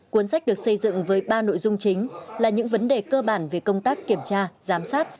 cuốn sách được xây dựng với ba nội dung chính là những vấn đề cơ bản về công tác kiểm tra giám sát